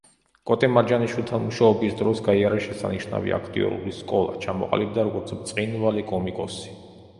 კოტე მარჯანიშვილთან მუშაობის დროს გაიარა შესანიშნავი აქტიორული სკოლა, ჩამოყალიბდა როგორც ბრწყინვალე კომიკოსი.